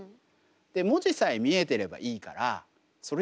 で文字さえ見えてればいいからそれでいい。